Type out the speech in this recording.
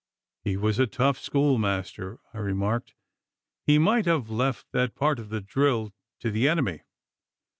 'He was a rough schoolmaster,' I remarked. 'He might have left that part of the drill to the enemy.